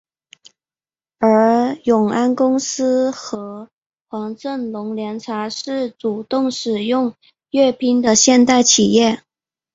而永安公司和黄振龙凉茶是主动使用粤拼的现代企业。